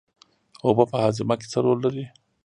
اوبه په هاضمه کې څه رول لري